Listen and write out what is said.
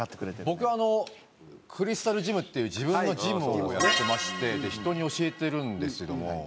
僕クリスタルジムっていう自分のジムをやってまして人に教えてるんですけども。